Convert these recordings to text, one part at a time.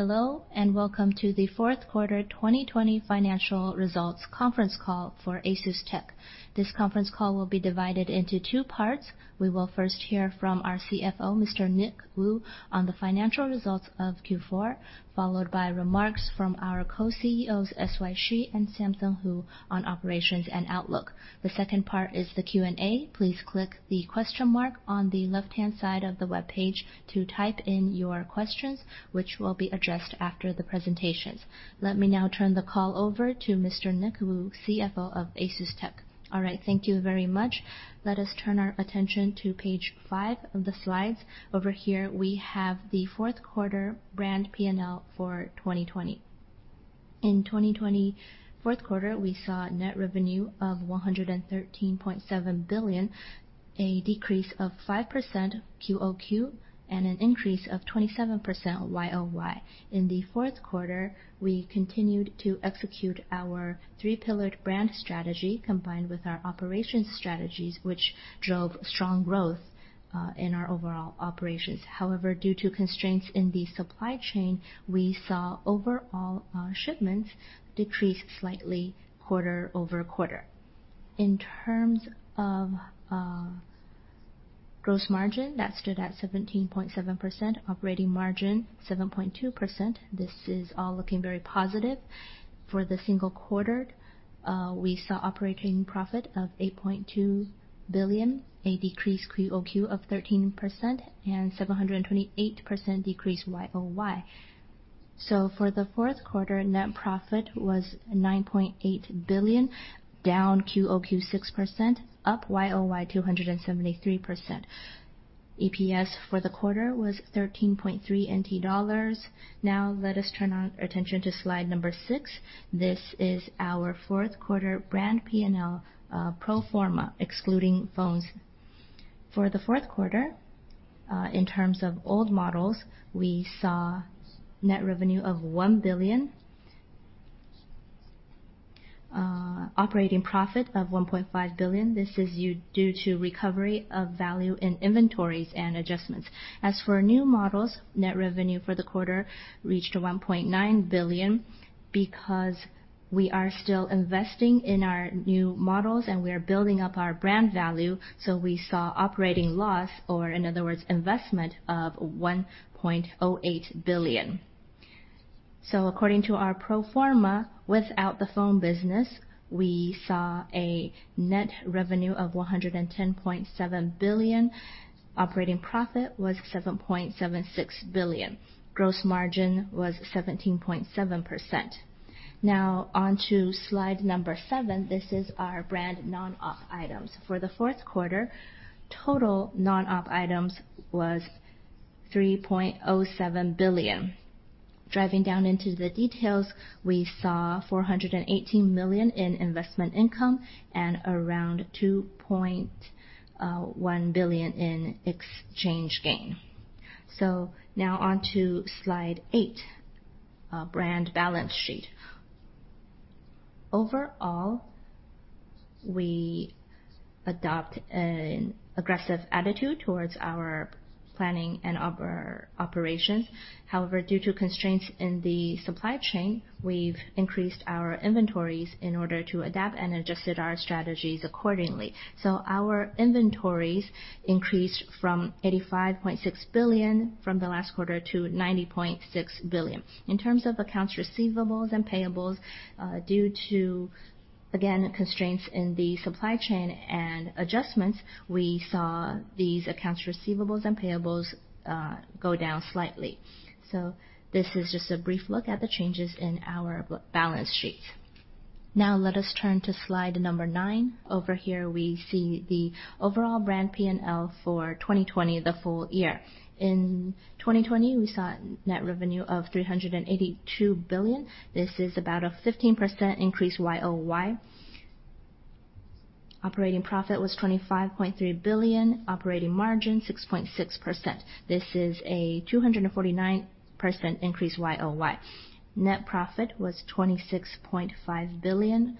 Hello, welcome to the fourth quarter 2020 financial results conference call for ASUSTeK. This conference call will be divided into two parts. We will first hear from our CFO, Mr. Nick Wu, on the financial results of Q4, followed by remarks from our co-CEOs, S.Y. Hsu and Samson Hu, on operations and outlook. The second part is the Q&A. Please click the question mark on the left-hand side of the webpage to type in your questions, which will be addressed after the presentations. Let me now turn the call over to Mr. Nick Wu, CFO of ASUSTeK. All right. Thank you very much. Let us turn our attention to page five of the slides. Over here, we have the fourth quarter brand P&L for 2020. In 2020, fourth quarter, we saw net revenue of NT 113.7 billion, a decrease of 5% QoQ, and an increase of 27% YoY. In the fourth quarter, we continued to execute our three-pillared brand strategy, combined with our operations strategies, which drove strong growth in our overall operations. However, due to constraints in the supply chain, we saw overall shipments decrease slightly quarter-over-quarter. In terms of gross margin, that stood at 17.7%, operating margin 7.2%. This is all looking very positive. For the single quarter, we saw operating profit of NT 8.2 billion, a decrease QoQ of 13%, and 728% decrease YoY. For the fourth quarter, net profit was NT 9.8 billion, down QoQ 6%, up YoY 273%. EPS for the quarter was NT 13.3. Let us turn our attention to slide number 6. This is our fourth quarter brand P&L pro forma, excluding phones. For the fourth quarter, in terms of old models, we saw net revenue of NT 1 billion, operating profit of 1.5 billion. This is due to recovery of value in inventories and adjustments. Net revenue for the quarter reached 1.9 billion, because we are still investing in our new models, and we are building up our brand value, we saw operating loss, or in other words, investment of 1.08 billion. According to our pro forma, without the phone business, we saw a net revenue of 110.7 billion. Operating profit was 7.76 billion. Gross margin was 17.7%. On to slide number seven. This is our brand non-op items. For the fourth quarter, total non-op items was 3.07 billion. Driving down into the details, we saw 418 million in investment income and around 2.1 billion in exchange gain. On to slide eight, brand balance sheet. Overall, we adopt an aggressive attitude towards our planning and operations. Due to constraints in the supply chain, we've increased our inventories in order to adapt and adjusted our strategies accordingly. Our inventories increased from 85.6 billion from the last quarter to 90.6 billion. In terms of accounts receivables and payables, due to, again, constraints in the supply chain and adjustments, we saw these accounts receivables and payables go down slightly. This is just a brief look at the changes in our balance sheet. Let us turn to slide number nine. Over here, we see the overall brand P&L for 2020, the full year. In 2020, we saw net revenue of TWD 382 billion. This is about a 15% increase YoY. Operating profit was 25.3 billion, operating margin 6.6%. This is a 249% increase YoY. Net profit was 26.5 billion,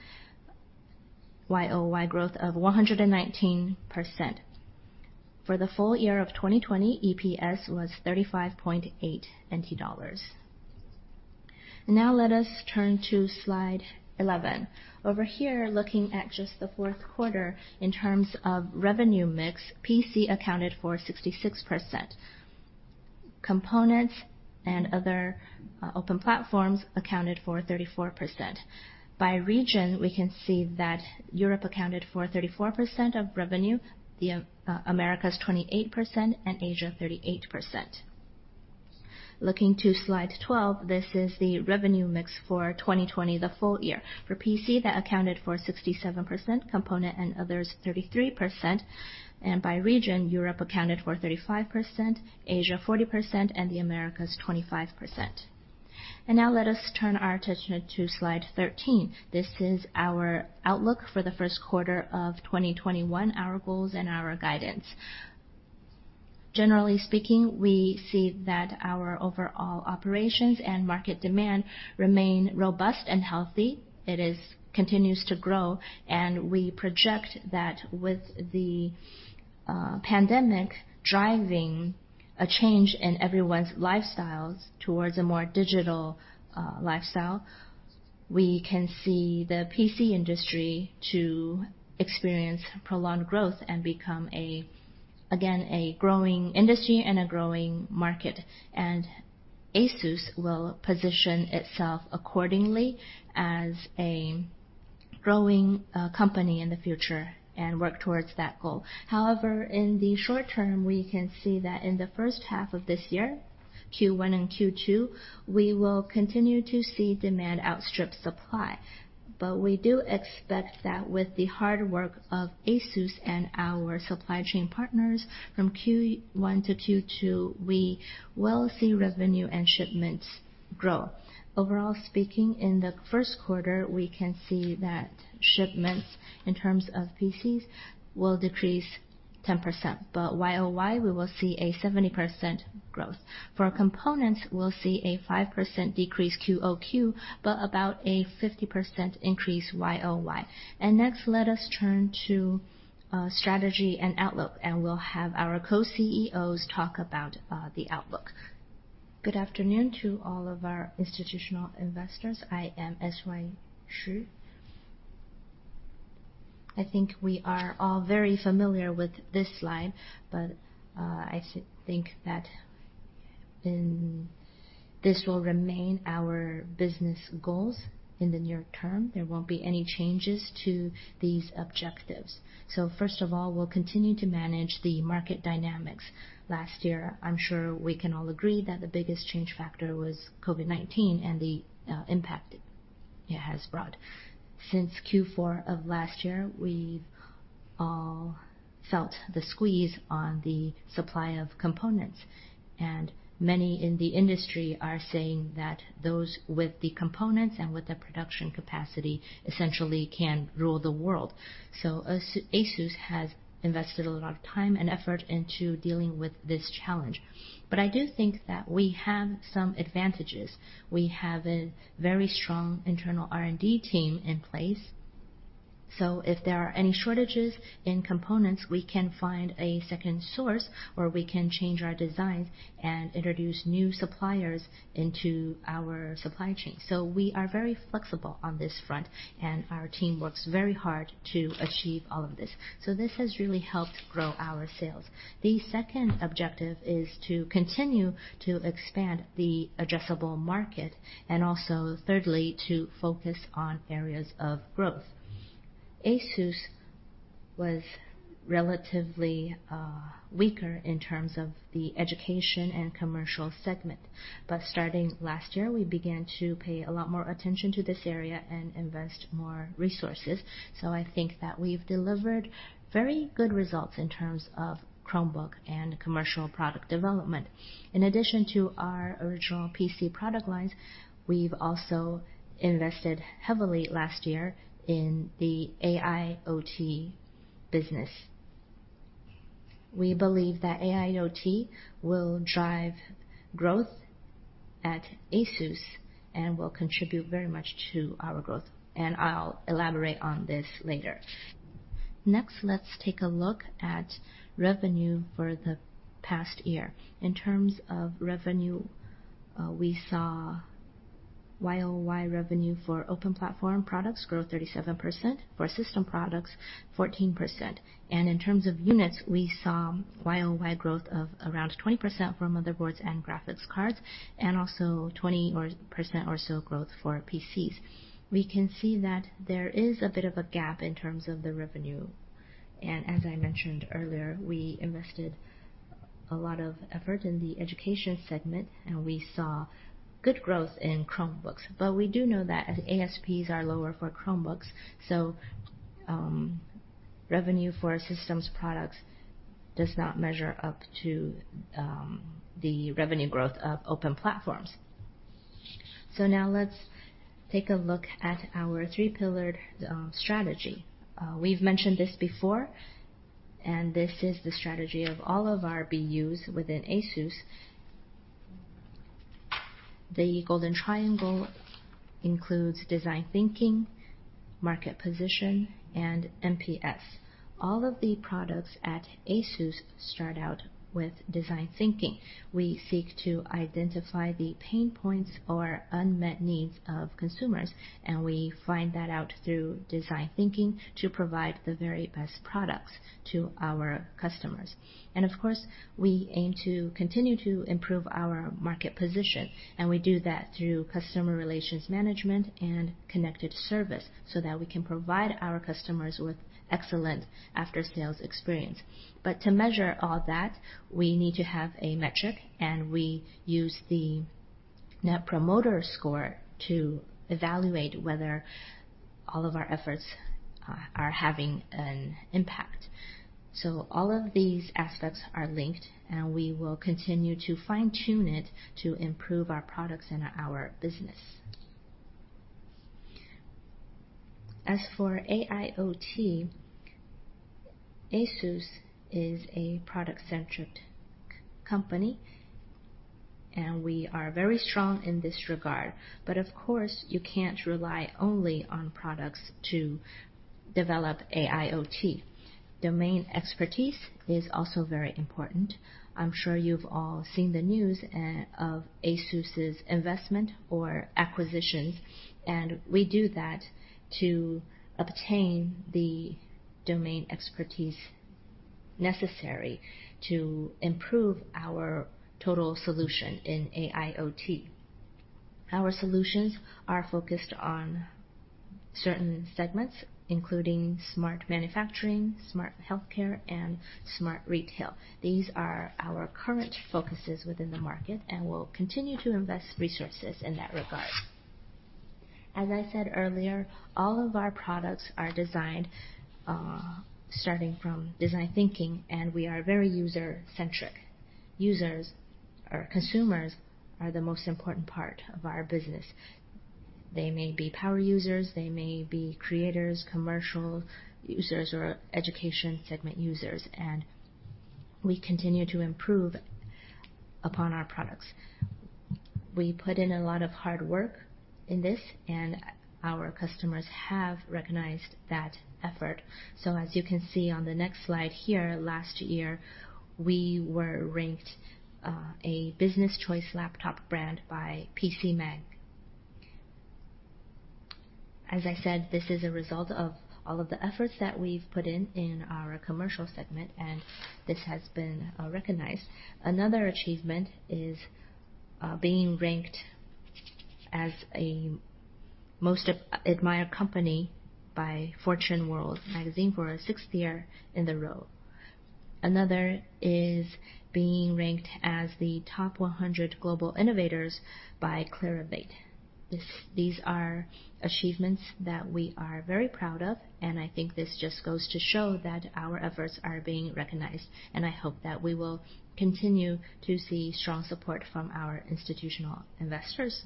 YoY growth of 119%. For the full year of 2020, EPS was 35.8 NT dollars. Now let us turn to slide 11. Over here, looking at just the fourth quarter in terms of revenue mix, PC accounted for 66%. Components and other open platforms accounted for 34%. By region, we can see that Europe accounted for 34% of revenue, the Americas 28%, and Asia 38%. Looking to slide 12, this is the revenue mix for 2020, the full year. For PC, that accounted for 67%, component and others 33%. By region, Europe accounted for 35%, Asia 40%, and the Americas 25%. Now let us turn our attention to slide 13. This is our outlook for the first quarter of 2021, our goals and our guidance. Generally speaking, we see that our overall operations and market demand remain robust and healthy. It continues to grow, and we project that with the pandemic driving a change in everyone's lifestyles towards a more digital lifestyle, we can see the PC industry to experience prolonged growth and become, again, a growing industry and a growing market. ASUS will position itself accordingly as a growing company in the future and work towards that goal. However, in the short term, we can see that in the first half of this year, Q1 and Q2, we will continue to see demand outstrip supply. We do expect that with the hard work of ASUS and our supply chain partners from Q1 to Q2, we will see revenue and shipments grow. Overall speaking, in the first quarter, we can see that shipments in terms of PCs will decrease 10%, but YoY, we will see a 70% growth. For components, we'll see a 5% decrease QoQ, but about a 50% increase YoY. Next, let us turn to strategy and outlook. We'll have our Co-CEOs talk about the outlook. Good afternoon to all of our institutional investors. I am S.Y. Hsu. I think we are all very familiar with this slide. I think that this will remain our business goals in the near term. There won't be any changes to these objectives. First of all, we'll continue to manage the market dynamics. Last year, I'm sure we can all agree that the biggest change factor was COVID-19 and the impact it has brought. Since Q4 of last year, we've all felt the squeeze on the supply of components. Many in the industry are saying that those with the components and with the production capacity essentially can rule the world. ASUS has invested a lot of time and effort into dealing with this challenge. I do think that we have some advantages. We have a very strong internal R&D team in place. If there are any shortages in components, we can find a second source where we can change our designs and introduce new suppliers into our supply chain. We are very flexible on this front, and our team works very hard to achieve all of this. This has really helped grow our sales. The second objective is to continue to expand the addressable market, and also thirdly, to focus on areas of growth. ASUS was relatively weaker in terms of the education and commercial segment. Starting last year, we began to pay a lot more attention to this area and invest more resources. I think that we've delivered very good results in terms of Chromebook and commercial product development. In addition to our original PC product lines, we've also invested heavily last year in the AIoT business. We believe that AIoT will drive growth at ASUS and will contribute very much to our growth, and I'll elaborate on this later. Next, let's take a look at revenue for the past year. In terms of revenue, we saw YoY revenue for open platform products grow 37%, for system products, 14%. In terms of units, we saw YoY growth of around 20% for motherboards and graphics cards, and also 20% or so growth for PCs. We can see that there is a bit of a gap in terms of the revenue. As I mentioned earlier, we invested a lot of effort in the education segment, and we saw good growth in Chromebooks. We do know that as ASPs are lower for Chromebooks, revenue for systems products does not measure up to the revenue growth of open platforms. Now let's take a look at our three-pillared strategy. We've mentioned this before, and this is the strategy of all of our BUs within ASUS. The golden triangle includes design thinking, market position, and NPS. All of the products at ASUS start out with design thinking. We seek to identify the pain points or unmet needs of consumers, and we find that out through design thinking to provide the very best products to our customers. Of course, we aim to continue to improve our market position, and we do that through customer relations management and connected service so that we can provide our customers with excellent after-sales experience. To measure all that, we need to have a metric, and we use the Net Promoter Score to evaluate whether all of our efforts are having an impact. All of these aspects are linked, and we will continue to fine-tune it to improve our products and our business. As for AIoT, ASUS is a product-centric company, and we are very strong in this regard. Of course, you can't rely only on products to develop AIoT. Domain expertise is also very important. I'm sure you've all seen the news of ASUS's investment or acquisition, and we do that to obtain the domain expertise necessary to improve our total solution in AIoT. Our solutions are focused on certain segments, including smart manufacturing, smart healthcare, and smart retail. These are our current focuses within the market, and we'll continue to invest resources in that regard. As I said earlier, all of our products are designed, starting from design thinking, and we are very user-centric. Users or consumers are the most important part of our business. They may be power users, they may be creators, commercial users, or education segment users, and we continue to improve upon our products. We put in a lot of hard work in this, and our customers have recognized that effort. As you can see on the next slide here, last year, we were ranked a Business Choice Laptop brand by PCMag. As I said, this is a result of all of the efforts that we've put in our commercial segment, and this has been recognized. Another achievement is being ranked as a Most Admired Company by Fortune world magazine for a sixth year in the row. Another is being ranked as the Top 100 Global Innovators by Clarivate. These are achievements that we are very proud of, and I think this just goes to show that our efforts are being recognized, and I hope that we will continue to see strong support from our institutional investors.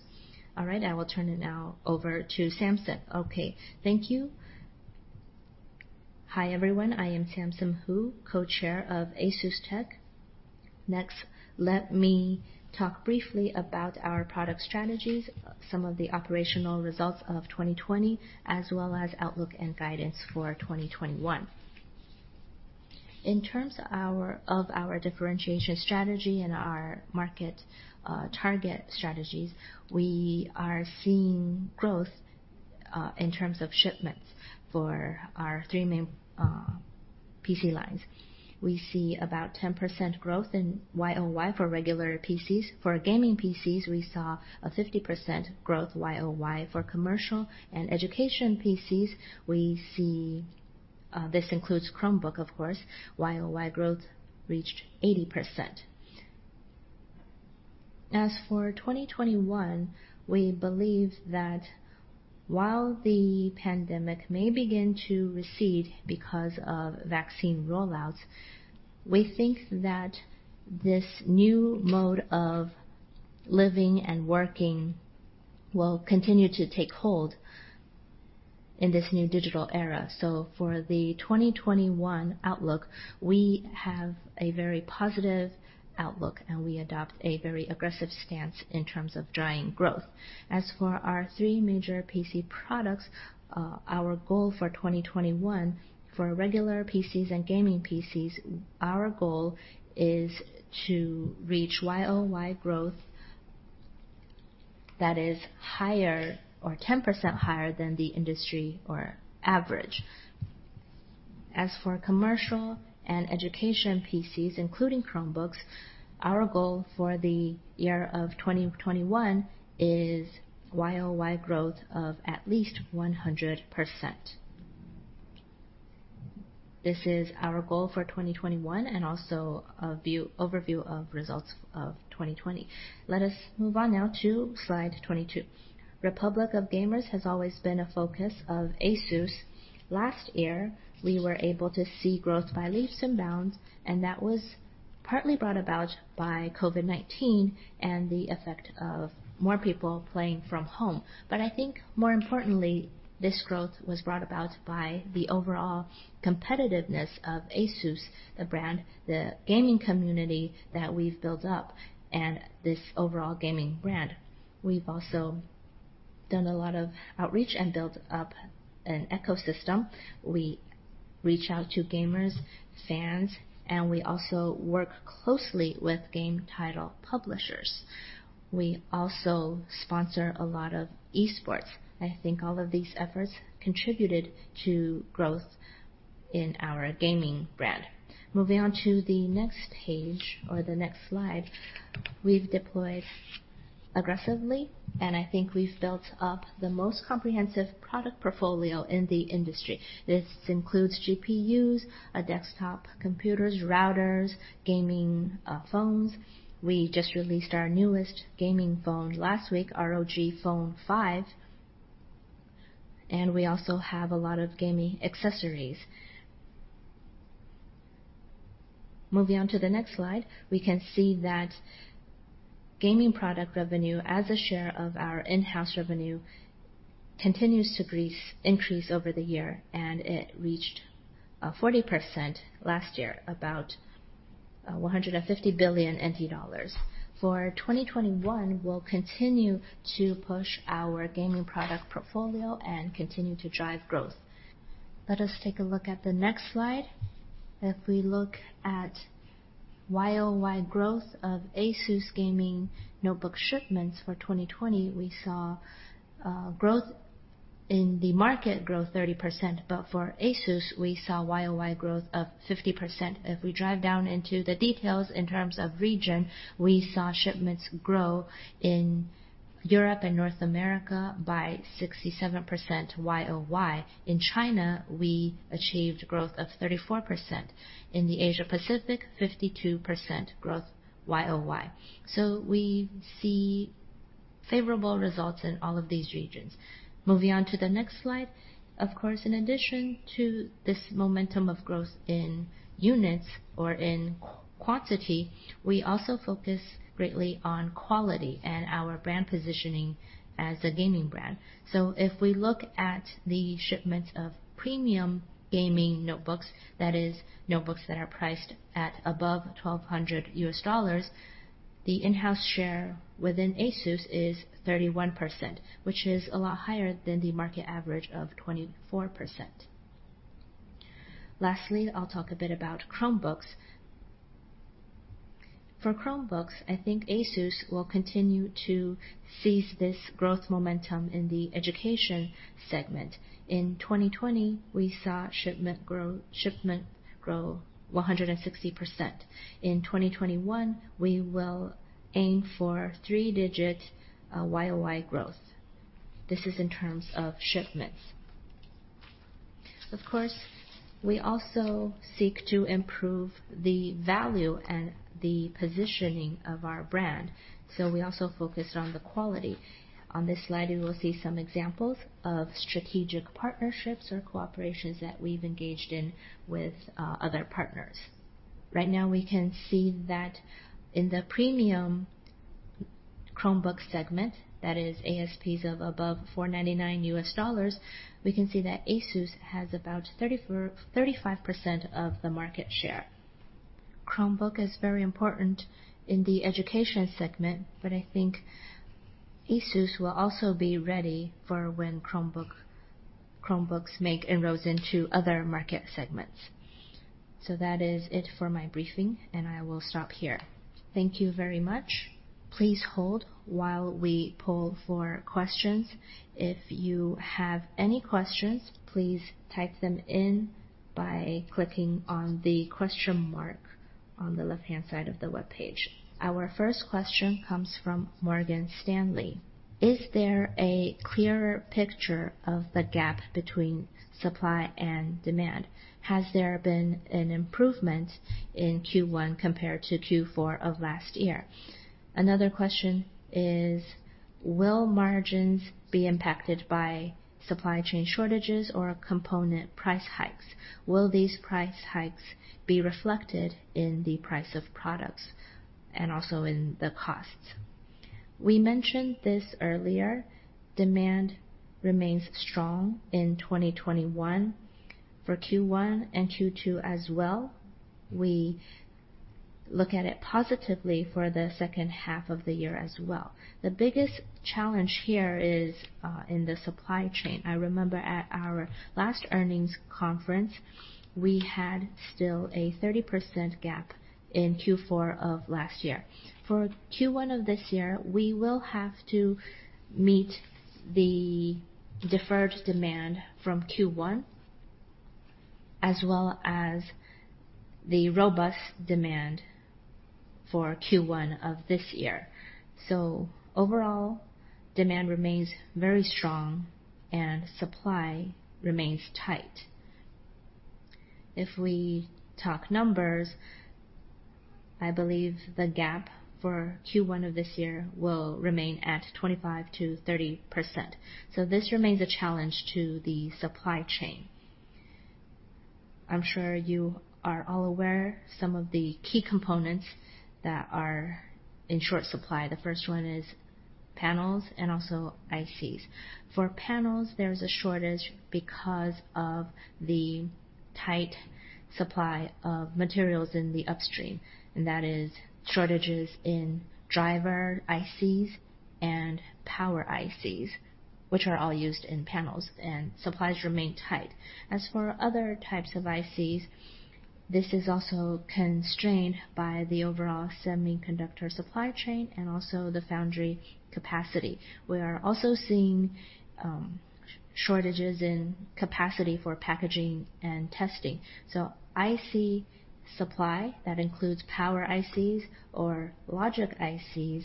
All right. I will turn it now over to Samson. Okay. Thank you. Hi, everyone. I am Samson Hu, Co-chair of ASUSTeK. Let me talk briefly about our product strategies, some of the operational results of 2020, as well as outlook and guidance for 2021. In terms of our differentiation strategy and our market target strategies, we are seeing growth in terms of shipments for our three main PC lines. We see about 10% growth in YoY for regular PCs. For gaming PCs, we saw a 50% growth YoY. For commercial and education PCs, this includes Chromebook, of course, YoY growth reached 80%. As for 2021, we believe that while the pandemic may begin to recede because of vaccine rollouts, we think that this new mode of living and working will continue to take hold in this new digital era. For the 2021 outlook, we have a very positive outlook, and we adopt a very aggressive stance in terms of driving growth. As for our three major PC products, our goal for 2021, for regular PCs and gaming PCs, our goal is to reach YoY growth that is higher or 10% higher than the industry or average. As for commercial and education PCs, including Chromebooks, our goal for the year of 2021 is YoY growth of at least 100%. This is our goal for 2021 and also overview of results of 2020. Let us move on now to slide 22. Republic of Gamers has always been a focus of ASUS. Last year, we were able to see growth by leaps and bounds, that was partly brought about by COVID-19 and the effect of more people playing from home. I think more importantly, this growth was brought about by the overall competitiveness of ASUS the brand, the gaming community that we've built up, and this overall gaming brand. We've also done a lot of outreach and built up an ecosystem. We reach out to gamers, fans, and we also work closely with game title publishers. We also sponsor a lot of esports. I think all of these efforts contributed to growth in our gaming brand. Moving on to the next page or the next slide. We've deployed aggressively, I think we've built up the most comprehensive product portfolio in the industry. This includes GPUs, desktop computers, routers, gaming phones. We just released our newest gaming phone last week, ROG Phone 5, and we also have a lot of gaming accessories. Moving on to the next slide. We can see that gaming product revenue as a share of our in-house revenue continues to increase over the year, and it reached 40% last year about 150 billion NT dollars. For 2021, we'll continue to push our gaming product portfolio and continue to drive growth. Let us take a look at the next slide. If we look at YoY growth of ASUS gaming notebook shipments for 2020, we saw growth in the market grow 30%, but for ASUS, we saw YoY growth of 50%. If we drive down into the details in terms of region, we saw shipments grow in Europe and North America by 67% YoY. In China, we achieved growth of 34%. In the Asia Pacific, 52% growth YoY. We see favorable results in all of these regions. Moving on to the next slide. Of course, in addition to this momentum of growth in units or in quantity, we also focus greatly on quality and our brand positioning as a gaming brand. If we look at the shipments of premium gaming notebooks, that is notebooks that are priced at above $1,200, the in-house share within ASUS is 31%, which is a lot higher than the market average of 24%. Lastly, I'll talk a bit about Chromebooks. For Chromebooks, I think ASUS will continue to seize this growth momentum in the education segment. In 2020, we saw shipment grow 160%. In 2021, we will aim for three-digit YoY growth. This is in terms of shipments. Of course, we also seek to improve the value and the positioning of our brand, so we also focus on the quality. On this slide, you will see some examples of strategic partnerships or cooperations that we've engaged in with other partners. Right now we can see that in the premium Chromebook segment, that is ASPs of above $499, we can see that ASUS has about 35% of the market share. Chromebook is very important in the education segment, but I think ASUS will also be ready for when Chromebooks make inroads into other market segments. That is it for my briefing, and I will stop here. Thank you very much. Please hold while we poll for questions. If you have any questions, please type them in by clicking on the question mark on the left-hand side of the webpage. Our first question comes from Morgan Stanley. Is there a clearer picture of the gap between supply and demand? Has there been an improvement in Q1 compared to Q4 of last year? Another question is, will margins be impacted by supply chain shortages or component price hikes? Will these price hikes be reflected in the price of products and also in the costs? We mentioned this earlier. Demand remains strong in 2021 for Q1 and Q2 as well. We look at it positively for the second half of the year as well. The biggest challenge here is in the supply chain. I remember at our last earnings conference, we had still a 30% gap in Q4 of last year. For Q1 of this year, we will have to meet the deferred demand from Q1, as well as the robust demand for Q1 of this year. Overall, demand remains very strong and supply remains tight. If we talk numbers, I believe the gap for Q1 of this year will remain at 25%-30%. This remains a challenge to the supply chain. I'm sure you are all aware some of the key components that are in short supply. The first one is panels and also ICs. For panels, there's a shortage because of the tight supply of materials in the upstream, and that is shortages in driver ICs and power ICs, which are all used in panels, and supplies remain tight. As for other types of ICs, this is also constrained by the overall semiconductor supply chain and also the foundry capacity. We are also seeing shortages in capacity for packaging and testing. IC supply, that includes power ICs or logic ICs,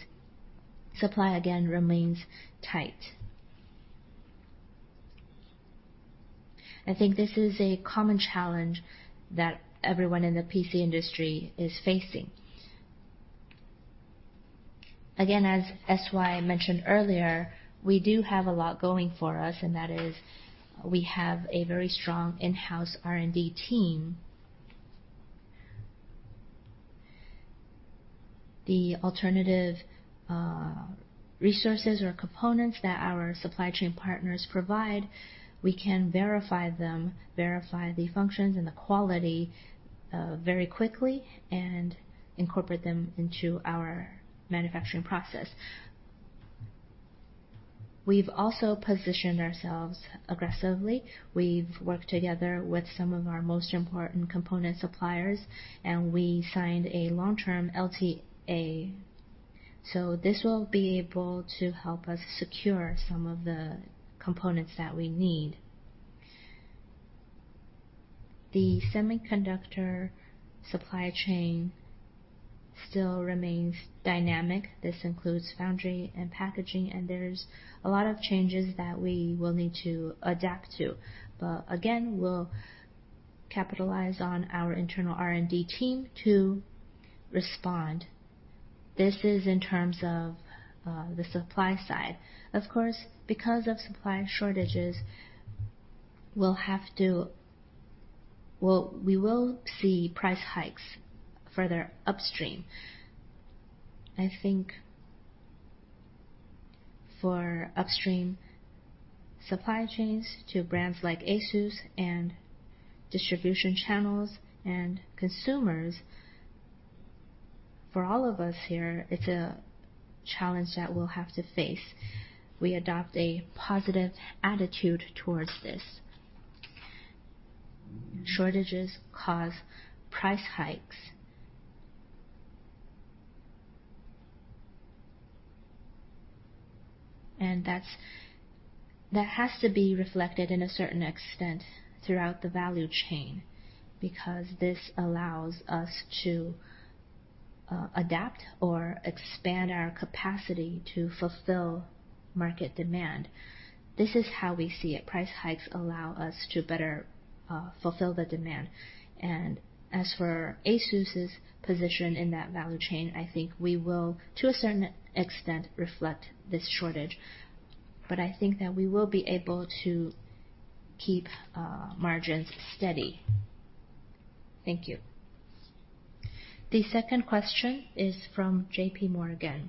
supply again remains tight. I think this is a common challenge that everyone in the PC industry is facing. As S.Y. mentioned earlier, we do have a lot going for us, and that is we have a very strong in-house R&D team. The alternative resources or components that our supply chain partners provide, we can verify them, verify the functions and the quality very quickly, and incorporate them into our manufacturing process. We've also positioned ourselves aggressively. We've worked together with some of our most important component suppliers, and we signed a long-term LTA. This will be able to help us secure some of the components that we need. The semiconductor supply chain still remains dynamic. This includes foundry and packaging, and there's a lot of changes that we will need to adapt to. Again, we'll capitalize on our internal R&D team to respond. This is in terms of the supply side. Of course, because of supply shortages, we will see price hikes further upstream. I think for upstream supply chains to brands like ASUS and distribution channels and consumers, for all of us here, it's a challenge that we'll have to face. We adopt a positive attitude towards this. Shortages cause price hikes. That has to be reflected in a certain extent throughout the value chain, because this allows us to adapt or expand our capacity to fulfill market demand. This is how we see it. Price hikes allow us to better fulfill the demand. As for ASUS's position in that value chain, I think we will, to a certain extent, reflect this shortage. I think that we will be able to keep margins steady. Thank you. The second question is from JPMorgan.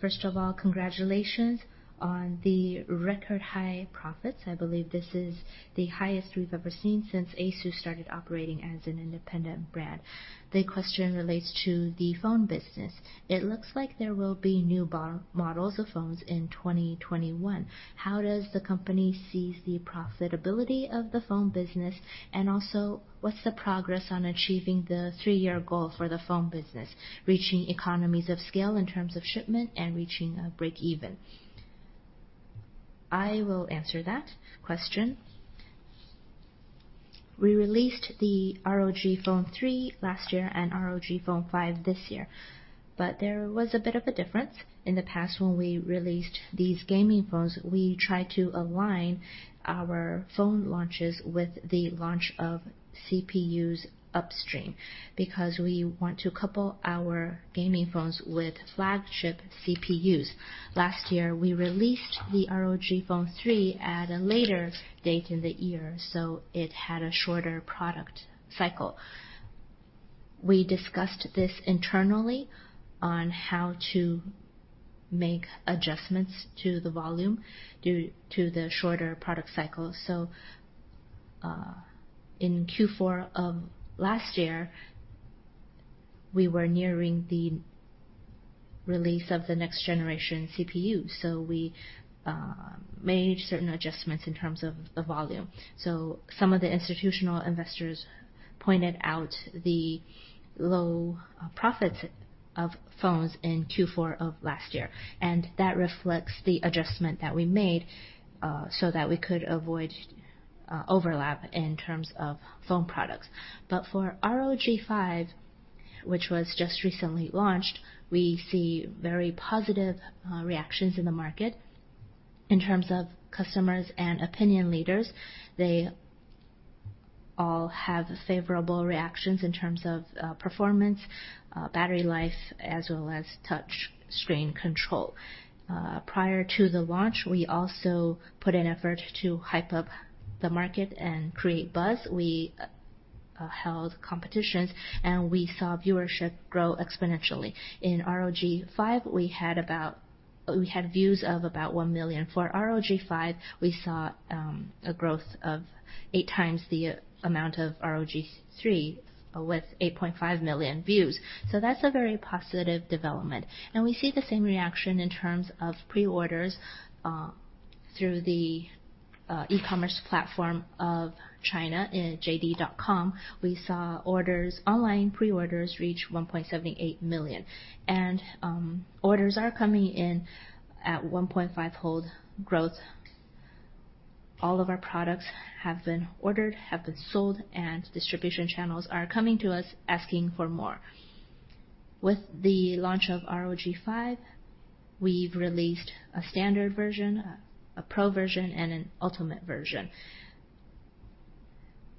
First of all, congratulations on the record-high profits. I believe this is the highest we've ever seen since ASUS started operating as an independent brand The question relates to the phone business. It looks like there will be new models of phones in 2021. How does the company see the profitability of the phone business? What's the progress on achieving the three-year goal for the phone business, reaching economies of scale in terms of shipment and reaching a break-even? I will answer that question. We released the ROG Phone 3 last year and ROG Phone 5 this year. There was a bit of a difference. In the past, when we released these gaming phones, we tried to align our phone launches with the launch of CPUs upstream, because we want to couple our gaming phones with flagship CPUs. Last year, we released the ROG Phone 3 at a later date in the year, it had a shorter product cycle. We discussed this internally on how to make adjustments to the volume due to the shorter product cycle. In Q4 of last year, we were nearing the release of the next generation CPU. We made certain adjustments in terms of the volume. Some of the institutional investors pointed out the low profits of phones in Q4 of last year. That reflects the adjustment that we made so that we could avoid overlap in terms of phone products. For ROG 5, which was just recently launched, we see very positive reactions in the market. In terms of customers and opinion leaders, they all have favorable reactions in terms of performance, battery life, as well as touch screen control. Prior to the launch, we also put an effort to hype up the market and create buzz. We held competitions, and we saw viewership grow exponentially. In ROG Phone 5, we had views of about 1 million. For ROG Phone 5, we saw a growth of 8 times the amount of ROG Phone 3 with 8.5 million views. That's a very positive development. We see the same reaction in terms of pre-orders through the e-commerce platform of China in JD.com. We saw online pre-orders reach 1.78 million. Orders are coming in at 1.5-fold growth. All of our products have been ordered, have been sold, and distribution channels are coming to us asking for more. With the launch of ROG Phone 5, we've released a standard version, a pro version, and an ultimate version.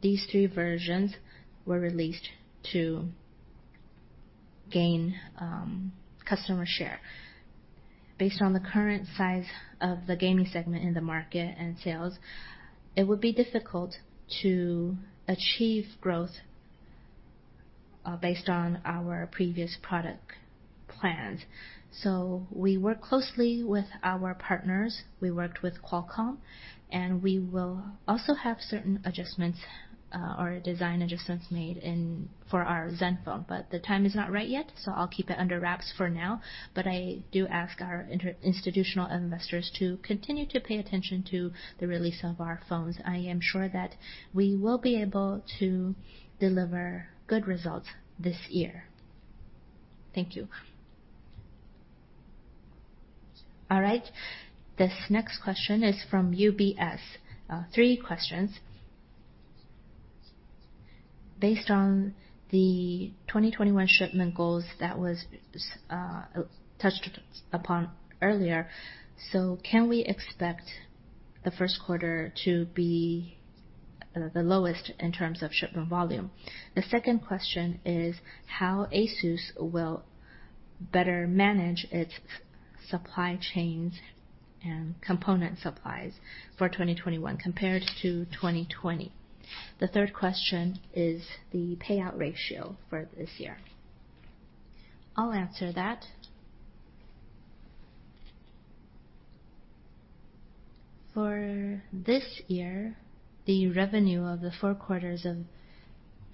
These three versions were released to gain customer share. Based on the current size of the gaming segment in the market and sales, it would be difficult to achieve growth based on our previous product plans. We work closely with our partners. We worked with Qualcomm, and we will also have certain adjustments or design adjustments made for our ZenFone. The time is not right yet, so I'll keep it under wraps for now. I do ask our institutional investors to continue to pay attention to the release of our phones. I am sure that we will be able to deliver good results this year. Thank you. All right. This next question is from UBS. Three questions. Based on the 2021 shipment goals that was touched upon earlier, so can we expect the first quarter to be the lowest in terms of shipment volume? The second question is how ASUS will better manage its supply chains and component supplies for 2021 compared to 2020. The third question is the payout ratio for this year. I'll answer that. For this year, the revenue of the four quarters of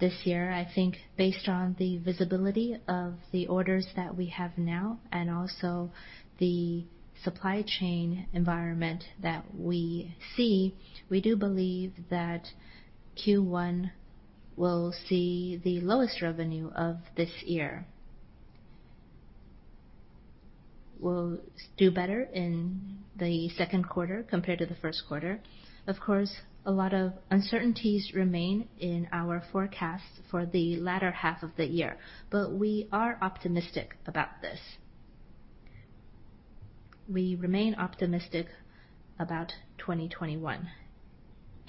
this year, I think based on the visibility of the orders that we have now and also the supply chain environment that we see, we do believe that Q1 will see the lowest revenue of this year. We'll do better in the second quarter compared to the first quarter. Of course, a lot of uncertainties remain in our forecast for the latter half of the year, we are optimistic about this. We remain optimistic about 2021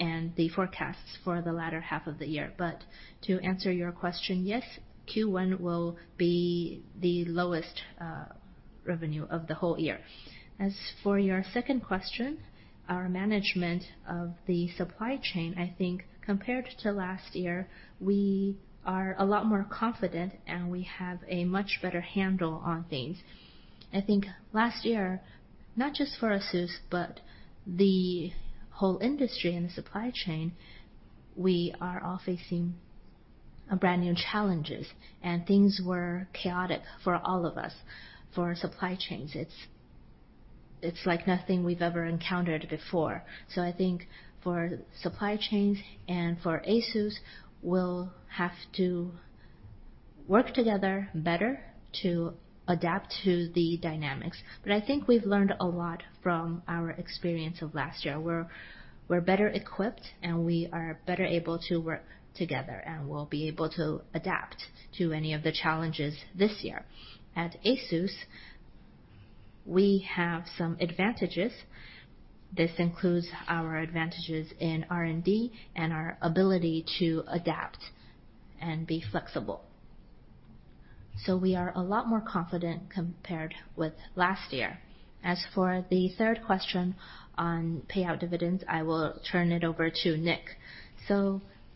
and the forecasts for the latter half of the year. To answer your question, yes, Q1 will be the lowest revenue of the whole year. As for your second question, our management of the supply chain, I think compared to last year, we are a lot more confident, and we have a much better handle on things. I think last year, not just for ASUS, but the whole industry and the supply chain, we are all facing brand-new challenges, and things were chaotic for all of us. For supply chains, it's like nothing we've ever encountered before. I think for supply chains and for ASUS, we'll have to work together better to adapt to the dynamics. I think we've learned a lot from our experience of last year. We're better equipped, and we are better able to work together, and we'll be able to adapt to any of the challenges this year. At ASUS, we have some advantages. This includes our advantages in R&D and our ability to adapt and be flexible. We are a lot more confident compared with last year. As for the third question on payout dividends, I will turn it over to Nick.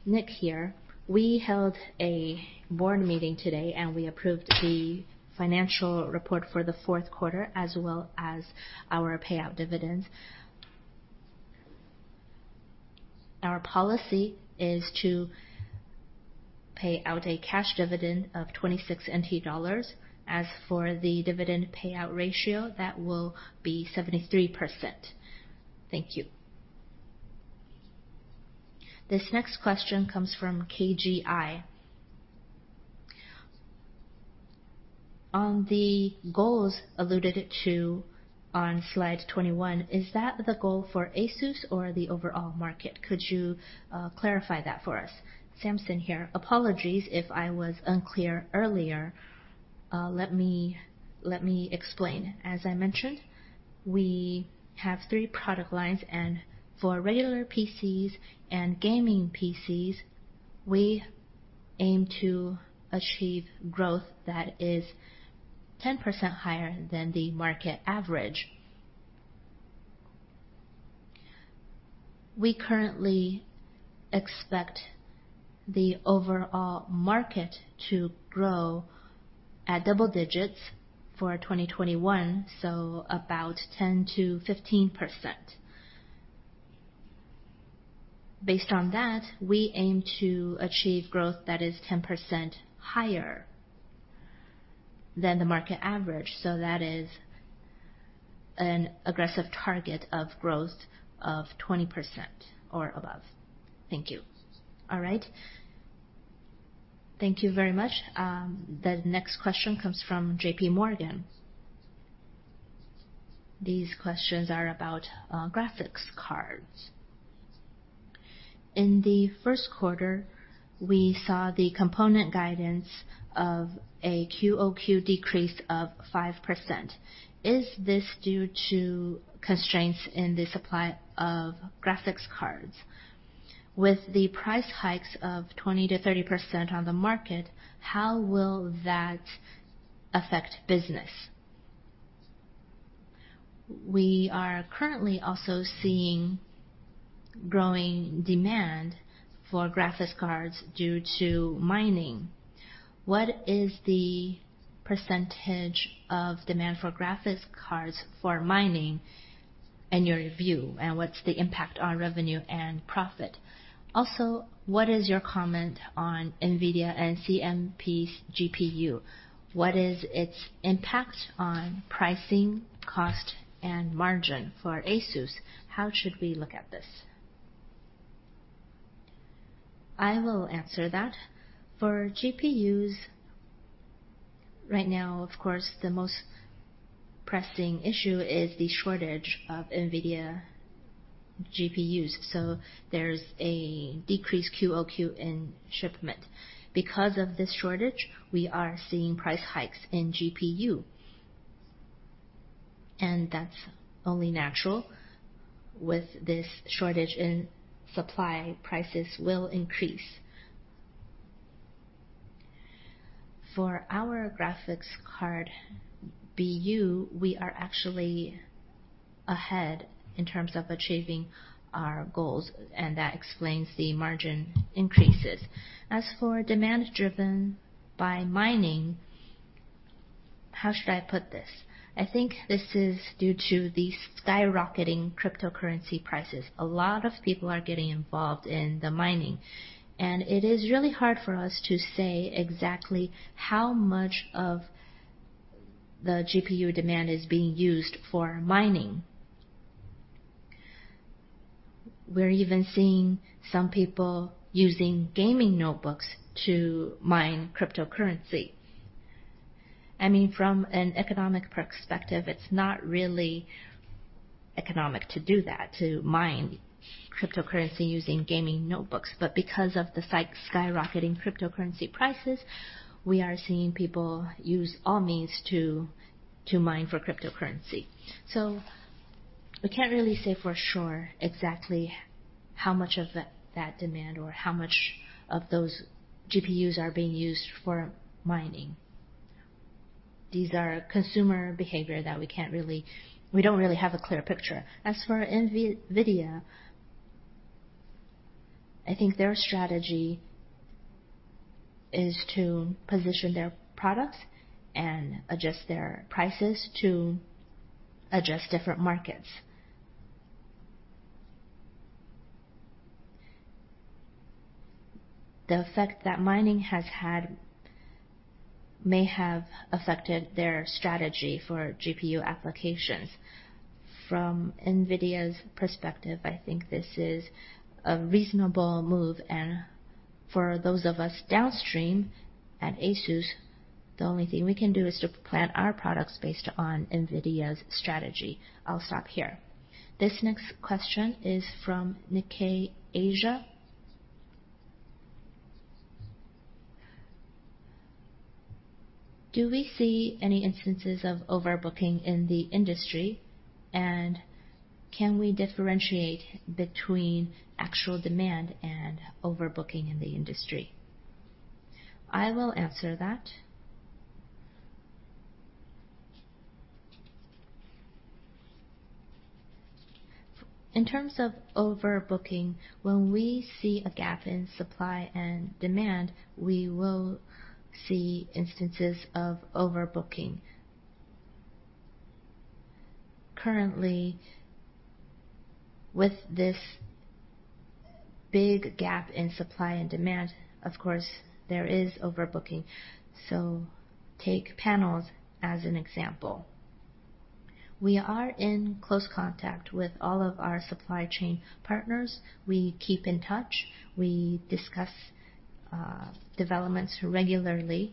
Nick here, we held a board meeting today, and we approved the financial report for the fourth quarter as well as our payout dividends. Our policy is to pay out a cash dividend of NTD 26. For the dividend payout ratio, that will be 73%. Thank you. This next question comes from KGI. On the goals alluded to on slide 21, is that the goal for ASUS or the overall market? Could you clarify that for us? Samson here. Apologies if I was unclear earlier. Let me explain. As I mentioned, we have three product lines, and for regular PCs and gaming PCs, we aim to achieve growth that is 10% higher than the market average. We currently expect the overall market to grow at double digits for 2021, so about 10%-15%. Based on that, we aim to achieve growth that is 10% higher than the market average. That is an aggressive target of growth of 20% or above. Thank you. All right. Thank you very much. The next question comes from JPMorgan. These questions are about graphics cards. In the first quarter, we saw the component guidance of a QoQ decrease of 5%. Is this due to constraints in the supply of graphics cards? With the price hikes of 20%-30% on the market, how will that affect business? We are currently also seeing growing demand for graphics cards due to mining. What is the percentage of demand for graphics cards for mining in your view, and what's the impact on revenue and profit? What is your comment on NVIDIA and CMP's GPU? What is its impact on pricing, cost, and margin for ASUS? How should we look at this? I will answer that. For GPUs, right now, of course, the most pressing issue is the shortage of NVIDIA GPUs. There's a decreased QoQ in shipment. Because of this shortage, we are seeing price hikes in GPU. That's only natural. With this shortage in supply, prices will increase. For our graphics card BU, we are actually ahead in terms of achieving our goals, and that explains the margin increases. As for demand driven by mining, how should I put this? I think this is due to the skyrocketing cryptocurrency prices. A lot of people are getting involved in the mining. It is really hard for us to say exactly how much of the GPU demand is being used for mining. We're even seeing some people using gaming notebooks to mine cryptocurrency. From an economic perspective, it's not really economic to do that, to mine cryptocurrency using gaming notebooks. Because of the skyrocketing cryptocurrency prices, we are seeing people use all means to mine for cryptocurrency. We can't really say for sure exactly how much of that demand or how much of those GPUs are being used for mining. These are consumer behavior that we don't really have a clear picture. As for NVIDIA, I think their strategy is to position their products and adjust their prices to address different markets. The effect that mining has had may have affected their strategy for GPU applications. From NVIDIA's perspective, I think this is a reasonable move, and for those of us downstream at ASUS, the only thing we can do is to plan our products based on NVIDIA's strategy. I'll stop here. This next question is from Nikkei Asia. Do we see any instances of overbooking in the industry? Can we differentiate between actual demand and overbooking in the industry? I will answer that. In terms of overbooking, when we see a gap in supply and demand, we will see instances of overbooking. Currently, with this big gap in supply and demand, of course, there is overbooking. Take panels as an example. We are in close contact with all of our supply chain partners. We keep in touch. We discuss developments regularly.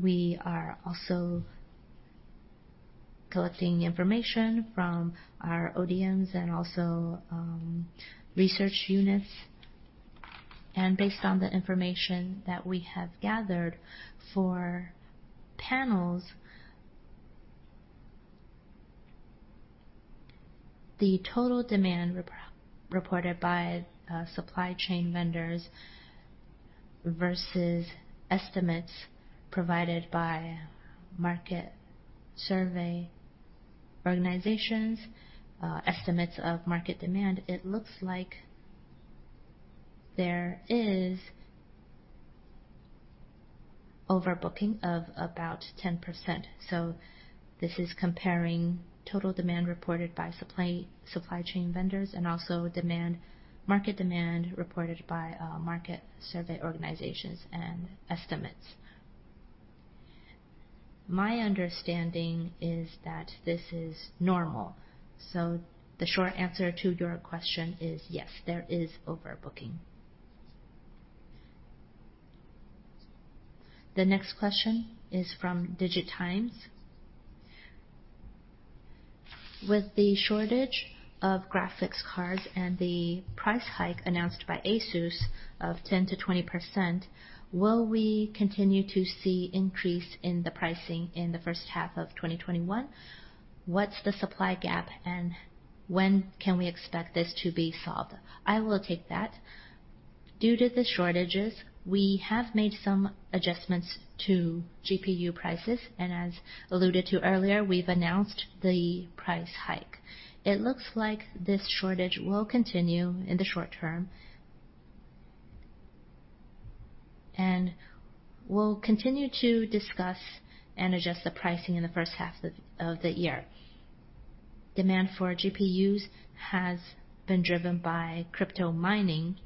We are also collecting information from our ODMs and also research units. Based on the information that we have gathered for panels, the total demand reported by supply chain vendors versus estimates provided by market survey organizations, estimates of market demand, it looks like there is overbooking of about 10%. This is comparing total demand reported by supply chain vendors and also market demand reported by market survey organizations and estimates. My understanding is that this is normal. The short answer to your question is yes, there is overbooking. The next question is from DIGITIMES. With the shortage of graphics cards and the price hike announced by ASUS of 10%-20%, will we continue to see increase in the pricing in the first half of 2021? What's the supply gap, and when can we expect this to be solved? I will take that. Due to the shortages, we have made some adjustments to GPU prices, and as alluded to earlier, we've announced the price hike. It looks like this shortage will continue in the short term. We'll continue to discuss and adjust the pricing in the first half of the year. Demand for GPUs has been driven by crypto mining,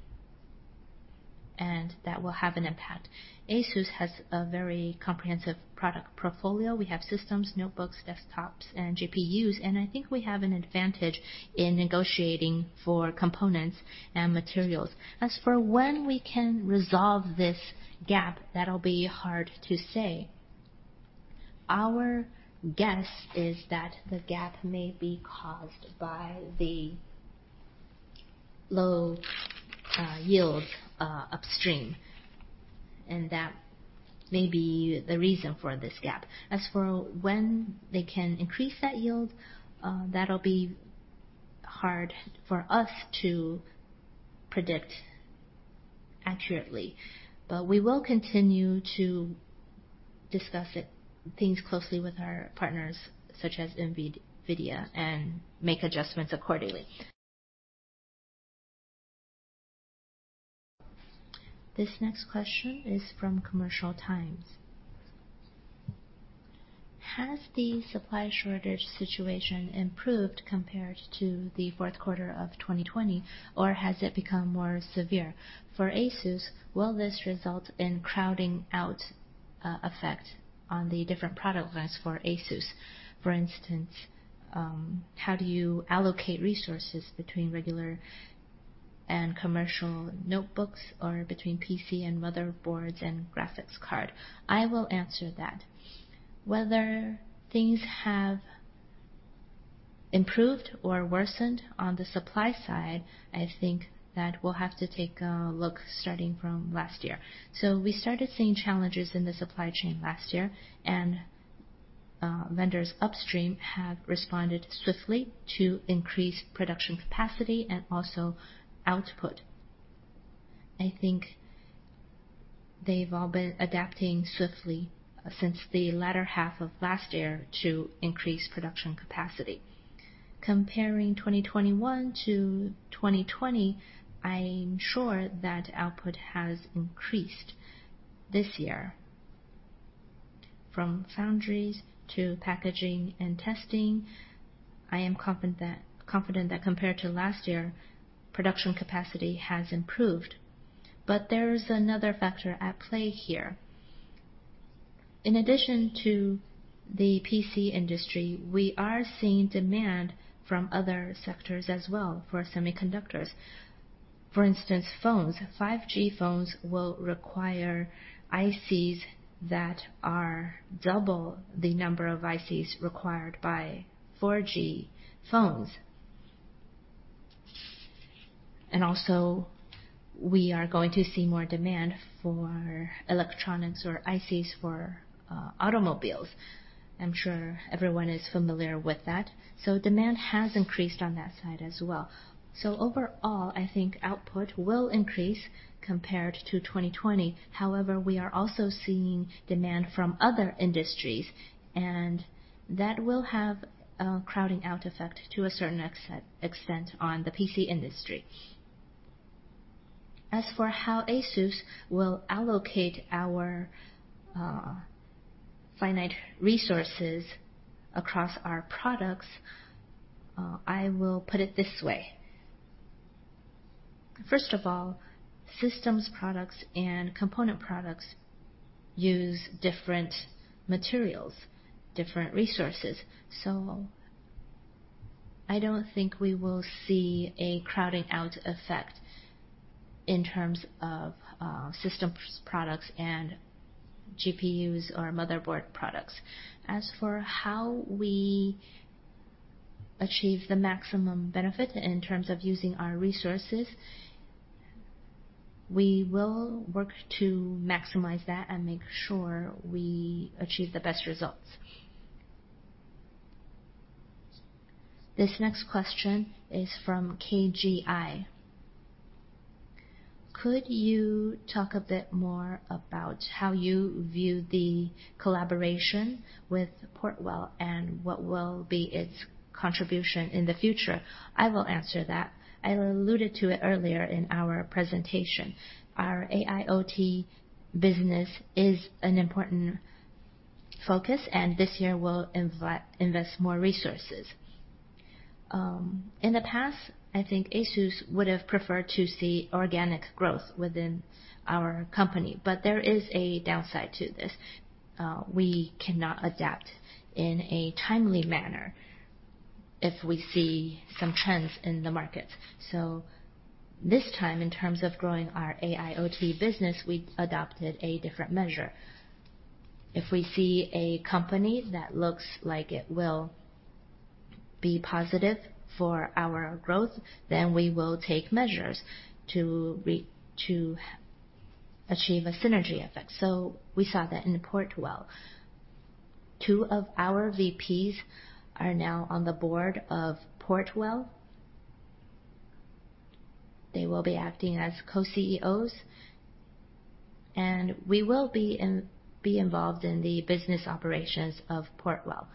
and that will have an impact. ASUS has a very comprehensive product portfolio. We have systems, notebooks, desktops, and GPUs, I think we have an advantage in negotiating for components and materials. As for when we can resolve this gap, that'll be hard to say. Our guess is that the gap may be caused by the low yield upstream, that may be the reason for this gap. As for when they can increase that yield, that'll be hard for us to predict accurately. We will continue to discuss things closely with our partners, such as NVIDIA, and make adjustments accordingly. This next question is from "Commercial Times." Has the supply shortage situation improved compared to the fourth quarter of 2020, or has it become more severe? For ASUS, will this result in crowding out effect on the different product lines for ASUS? For instance, how do you allocate resources between regular and commercial notebooks or between PC and motherboards and graphics card? I will answer that. Whether things have improved or worsened on the supply side, I think that we'll have to take a look starting from last year. We started seeing challenges in the supply chain last year, and vendors upstream have responded swiftly to increase production capacity and also output. I think they've all been adapting swiftly since the latter half of last year to increase production capacity. Comparing 2021 to 2020, I'm sure that output has increased this year. From foundries to packaging and testing, I am confident that compared to last year, production capacity has improved. There is another factor at play here. In addition to the PC industry, we are seeing demand from other sectors as well for semiconductors. For instance, phones. 5G phones will require ICs that are double the number of ICs required by 4G phones. Also, we are going to see more demand for electronics or ICs for automobiles. I'm sure everyone is familiar with that. Demand has increased on that side as well. Overall, I think output will increase compared to 2020. However, we are also seeing demand from other industries, and that will have a crowding out effect to a certain extent on the PC industry. As for how ASUS will allocate our finite resources across our products, I will put it this way. First of all, systems products and component products use different materials, different resources. I don't think we will see a crowding out effect in terms of systems products and GPUs or motherboard products. As for how we achieve the maximum benefit in terms of using our resources, we will work to maximize that and make sure we achieve the best results. This next question is from KGI. Could you talk a bit more about how you view the collaboration with Portwell and what will be its contribution in the future? I will answer that. I alluded to it earlier in our presentation. Our AIoT business is an important focus, and this year we'll invest more resources. In the past, I think ASUS would have preferred to see organic growth within our company, but there is a downside to this. We cannot adapt in a timely manner if we see some trends in the market. This time, in terms of growing our AIoT business, we adopted a different measure. If we see a company that looks like it will be positive for our growth, then we will take measures to re-achieve a synergy effect. We saw that in Portwell. Two of our VPs are now on the board of Portwell. They will be acting as co-CEOs, and we will be involved in the business operations of Portwell.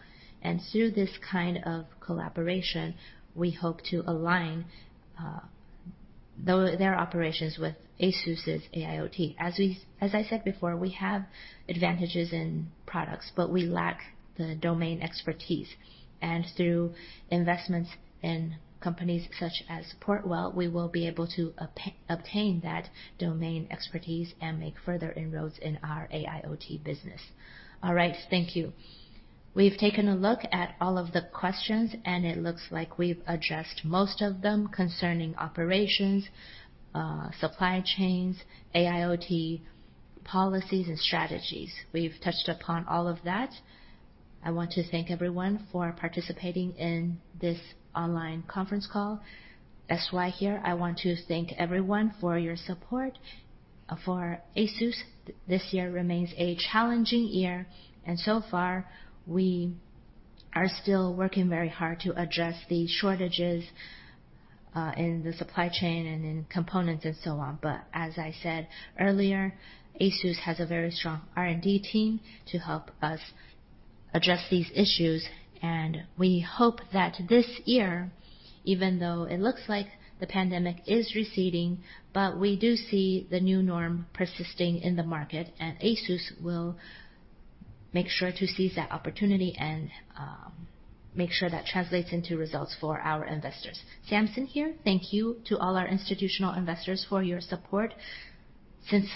Through this kind of collaboration, we hope to align their operations with ASUS's AIoT. As I said before, we have advantages in products, but we lack the domain expertise. Through investments in companies such as Portwell, we will be able to obtain that domain expertise and make further inroads in our AIoT business. All right. Thank you. We've taken a look at all of the questions, it looks like we've addressed most of them concerning operations, supply chains, AIoT policies, and strategies. We've touched upon all of that. I want to thank everyone for participating in this online conference call. S.Y. here. I want to thank everyone for your support for ASUS. This year remains a challenging year, so far, we are still working very hard to address the shortages in the supply chain and in components and so on. As I said earlier, ASUS has a very strong R&D team to help us address these issues, we hope that this year, even though it looks like the pandemic is receding, we do see the new norm persisting in the market, ASUS will make sure to seize that opportunity and make sure that translates into results for our investors. Samson here. Thank you to all our institutional investors for your support. Since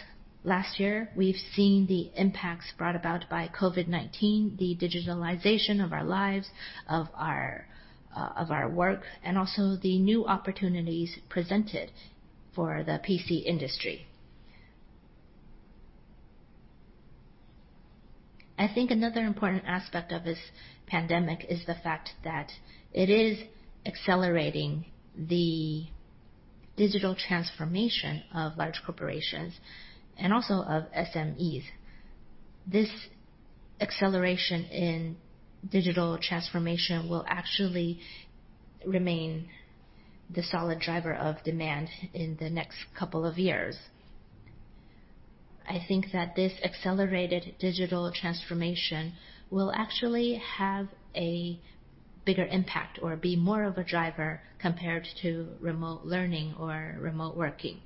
last year, we've seen the impacts brought about by COVID-19, the digitalization of our lives, of our work, and also the new opportunities presented for the PC industry. I think another important aspect of this pandemic is the fact that it is accelerating the digital transformation of large corporations and also of SMEs. This acceleration in digital transformation will actually remain the solid driver of demand in the next couple of years. I think that this accelerated digital transformation will actually have a bigger impact or be more of a driver compared to remote learning or remote working.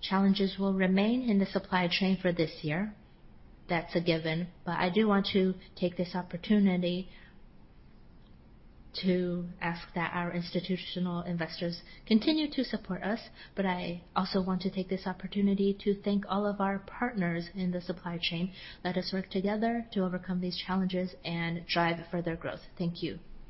Challenges will remain in the supply chain for this year. That's a given, but I do want to take this opportunity to ask that our institutional investors continue to support us, but I also want to take this opportunity to thank all of our partners in the supply chain. Let us work together to overcome these challenges and drive further growth. Thank you.